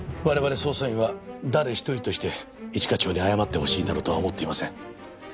我々捜査員は誰一人として一課長に謝ってほしいなどとは思っていません。